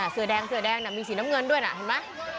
เสื้อแดงมีสีน้ำเงินด้วยเห็นไหม